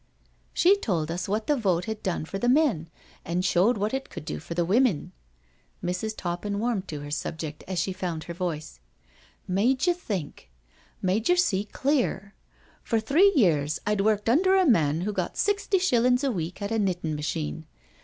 She told us what the vote had done for the men, and showed what it could do for the women." Mrs. Toppin warmed to her subject as she found her voice. " Made yer think— made yer see CANTERBURY TALES iii clear. For three years I'd worked under a man who got sixty $hillin*s a week at a knittin* machine.